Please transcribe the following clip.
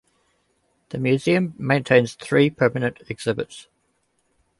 The museum maintains three permanent exhibits.